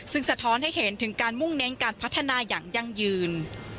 ซึ่งสะท้อนให้เห็นถึงการมุ่งเน้นการพัฒนาอย่างยั่งยืน